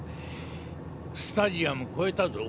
スタジアム越えたぞ。